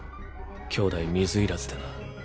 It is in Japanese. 兄弟水入らずでな。